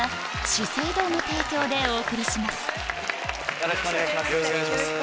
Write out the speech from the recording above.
よろしくお願いします。